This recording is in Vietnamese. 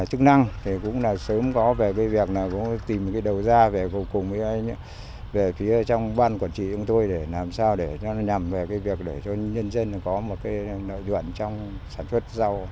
thì cũng là sớm có về cái việc tìm cái đầu ra về vô cùng về phía trong ban quản trị của tôi để làm sao để cho nó nhằm về cái việc để cho nhân dân có một cái nội dụng trong sản xuất rau